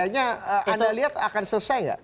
jadi ini yang anda lihat akan selesai nggak